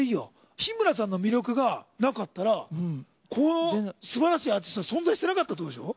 日村さんの魅力がなかったらこのすばらしいアーティスト存在してなかったってことでしょ。